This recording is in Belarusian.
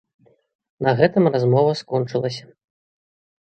На гэтым размова скончылася.